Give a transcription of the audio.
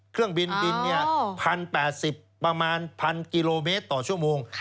เครื่องบินบิน๑๐๘๐ประมาณ๑๐๐กิโลเมตรต่อชั่วโมง